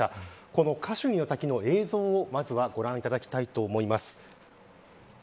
このカシュニの滝の映像をまずはご覧いただきたいと思います。